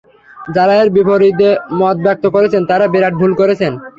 যারা এর বিপরীত মত ব্যক্ত করেছেন, তারা বিরাট ভুল করেছেন।